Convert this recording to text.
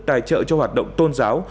tài trợ cho hoạt động tôn giáo